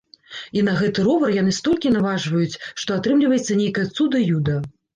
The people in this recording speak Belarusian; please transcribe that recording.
І на гэты ровар яны столькі наважваюць, што атрымліваецца нейкае цуда-юда.